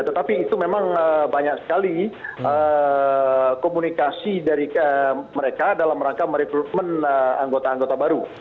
tetapi itu memang banyak sekali komunikasi dari mereka dalam rangka merekrutmen anggota anggota baru